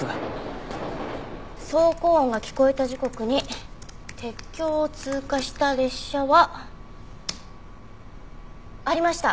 走行音が聞こえた時刻に鉄橋を通過した列車は。ありました。